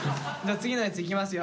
次のやついきますよ。